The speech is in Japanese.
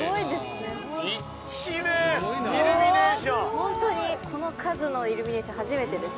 本当にこの数のイルミネーション初めてです。